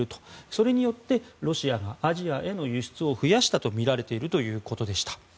それによって、ロシアがアジアへの輸出を増やしたとみられているということでした。